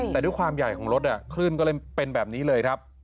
แต่ด้วยความใหญ่ของรถคลื่นก็เลยเป็นแบบนี้เลยครับ